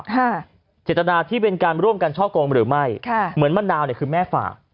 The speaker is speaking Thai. พิจารณาที่เป็นการร่วมกันช่อโกงมั้ยหรือไม่ก็เหมือนมะนาวคือแม่ฝาก